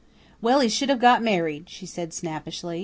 "Well, he should have got married," she said snappishly.